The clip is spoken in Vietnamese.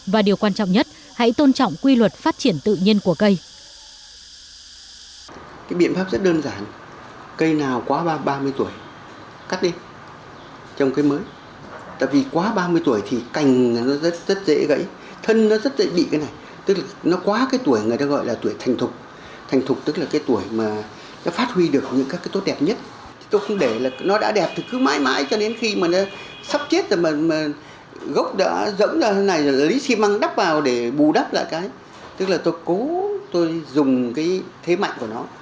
và điều quan trọng nhất hãy tôn trọng quy luật phát triển tự nhiên của cây